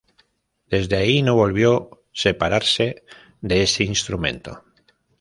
Desde ahí no volvió separarse de ese instrumento.